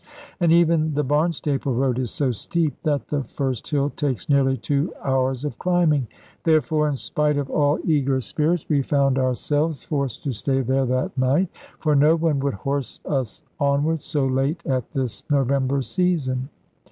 And even the Barnstaple road is so steep that the first hill takes nearly two hours of climbing. Therefore, in spite of all eager spirits, we found ourselves forced to stay there that night, for no one would horse us onwards, so late at this November season.